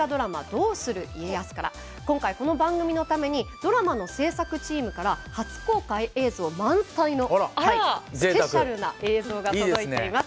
「どうする家康」から今回、この番組のために大河の制作チームから初公開映像満載のスペシャルな映像が届いています。